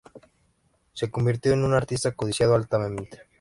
Se convirtió en un artista codiciado altamente.